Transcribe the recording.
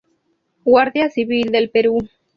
Guardia Civil del Perú